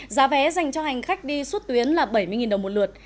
giá vé dành cho hành khách đi suốt tuyến là bảy mươi đồng một lượt